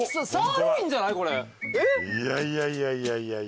いやいやいやいやいやいや。